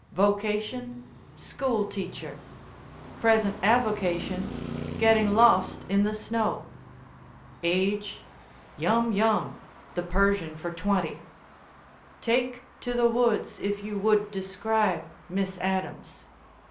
Vocation, school teacher. Present avocation, getting lost in the snow. Age, yum yum (the Persian for twenty). Take to the woods if you would describe Miss Adams.